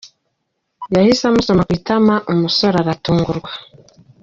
Yahise amusoma ku itama umusore aratungurwa.